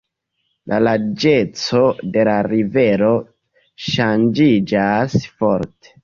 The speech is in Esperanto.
La larĝeco de la rivero ŝanĝiĝas forte.